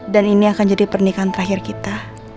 dan ini akan jadi pernikahan terakhir kita